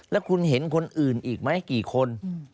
แล้วคุณเห็นคนอื่นอีกไหมกี่คน